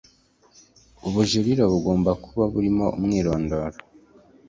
Ubujurire bugomba kuba burimo umwirondoro